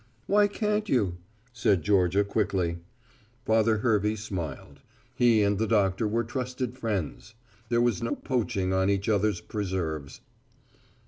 "Why can't you?" said Georgia quickly. Father Hervey smiled. He and the doctor were trusted friends. There was no poaching on each other's preserves.